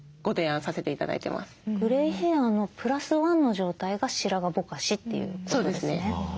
グレイヘアのプラスワンの状態が白髪ぼかしということですね。